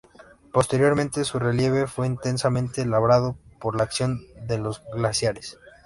Posteriormente, su relieve fue intensamente labrado por la acción de los glaciares.